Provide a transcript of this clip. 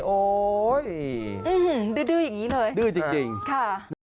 โอ๊ยดื้ออย่างนี้เลยดื้อจริงค่ะ